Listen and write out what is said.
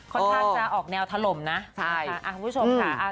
ค่อนข้างจะออกแนวถล่มนะใช่ค่ะคุณผู้ชมค่ะ